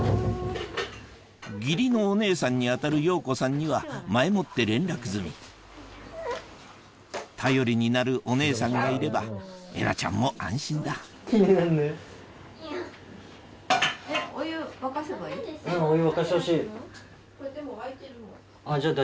義理のお姉さんに当たる洋子さんには前もって連絡済み頼りになるお姉さんがいればえなちゃんも安心だ沸いてるもう。